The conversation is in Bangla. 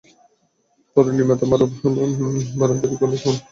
তরুণ নির্মাতা মাবরুর বান্নাহ্ তৈরি করলেন সুপারম্যান নামে একটি খণ্ড নাটক।